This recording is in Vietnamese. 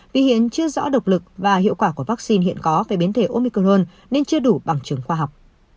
vì hiện chưa rõ độc lực và hiệu quả của vaccine hiện có về biến thể omicron nên chưa đủ bằng chứng khoa học